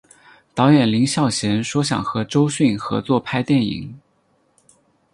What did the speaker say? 导演林孝谦说想和周迅合作拍电影。